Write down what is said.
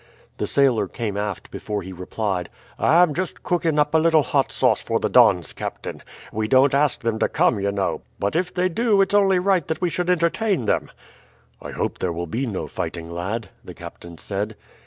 The sailor came aft before he replied, "I am just cooking up a little hot sauce for the dons, captain. We don't ask them to come, you know; but if they do, it's only right that we should entertain them." "I hope there will be no fighting, lad," the captain said.